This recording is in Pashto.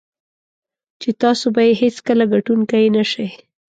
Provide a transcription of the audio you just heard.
چې تاسو به یې هېڅکله ګټونکی نه شئ.